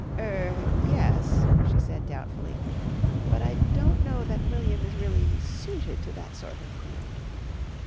"Er yes," she said doubtfully. "But I don't know that William is really suited to that sort of thing.